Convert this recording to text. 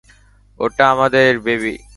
ওটা আমাদের বেবি।